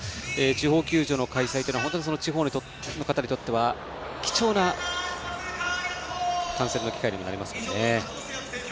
地方球場の開催は、本当にその地方の方にとっては貴重な観戦の機会になりますね。